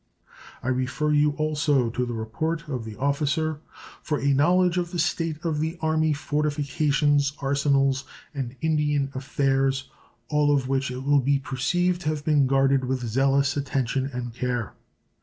I refer you also to the report of that officer for a knowledge of the state of the Army, fortifications, arsenals, and Indian affairs, all of which it will be perceived have been guarded with zealous attention and care.